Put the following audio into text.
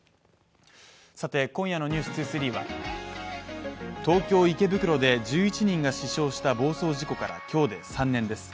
さて、今夜の「ｎｅｗｓ２３」は、東京・池袋で１１人が死傷した暴走事故から今日で３年です。